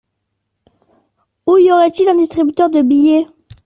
Où y aurait-il un distributeur de billets ?